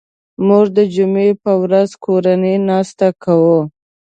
موږ د جمعې په ورځ کورنۍ ناسته کوو